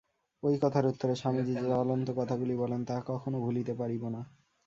ঐ কথার উত্তরে স্বামীজী যে জ্বলন্ত কথাগুলি বলেন, তাহা কখনও ভুলিতে পারিব না।